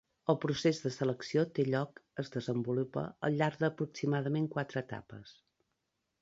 El procés de selecció té lloc/es desenvolupa al llarg d'aproximadament quatre etapes.